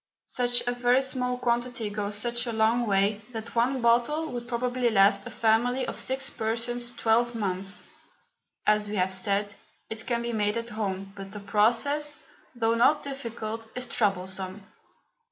Such a very small quantity goes such a long way that one bottle would probably last a family of six persons twelve months. As we have said, it can be made at home, but the process, though not difficult, is troublesome.